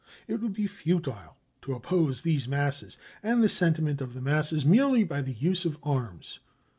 It would be futile to oppose these # masses and the sentiment of the masses merely by the use of arms.